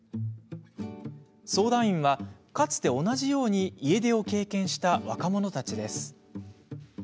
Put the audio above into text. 相談員は、かつて同じように家出を経験した若者たちです。